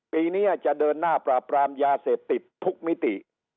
ปีนี้จะเดินหน้าปราบปรามยาเสพติดทุกมิติ